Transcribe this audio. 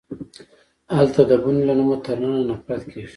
هلته د بنې له نومه تر ننه نفرت کیږي